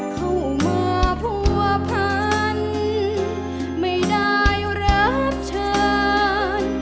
เข้ามาผัวพันไม่ได้รับเชิญ